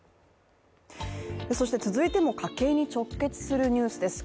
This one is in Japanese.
続いても家計に直結するニュースです。